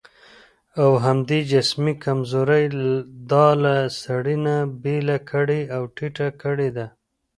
او همدې جسمي کمزورۍ دا له سړي نه بېله کړې او ټيټه کړې ده.